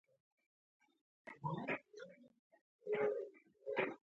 هغه ځوانان مطالعې او علم ته هڅول.